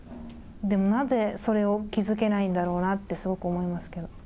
でもなぜそれを気づけないんだろうなってすごく思いますけど。